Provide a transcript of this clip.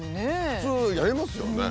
普通やりますよね。